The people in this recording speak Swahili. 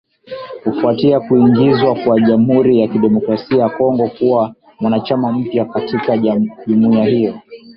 Kufuatia kuingizwa kwa Jamuhuri ya Kidemokrasia ya Kongo kuwa mwanachama mpya katika jumuiya hiyo